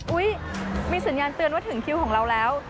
มีสัญญาณเตือนว่าถึงคิวของเราแล้ว